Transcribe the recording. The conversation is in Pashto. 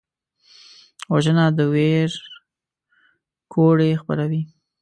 وژنه د ویر کوډې خپروي